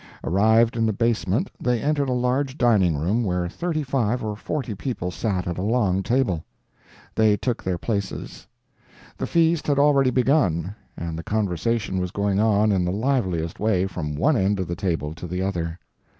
Arrived in the basement, they entered a large dining room where thirty five or forty people sat at a long table. They took their places. The feast had already begun and the conversation was going on in the liveliest way from one end of the table to the other.